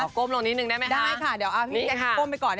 ก้มลงนิดนึงได้ไหมได้ค่ะเดี๋ยวเอาพี่แจ๊กก้มไปก่อน